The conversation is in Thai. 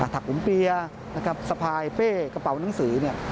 ถักหุมเปลี่ยสะพายเป้กระเป๋าหนังสือ